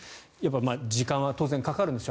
時間は当然、かかるんでしょう。